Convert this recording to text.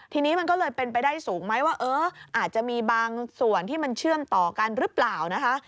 ทีนี้มันก็เลยเป็นไปได้สูงไหมว่าเอออาจจะมีบางส่วนที่มันเชื่อมต่อกันหรือเปล่านะคะ